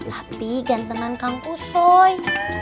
tapi gantengan kanku soy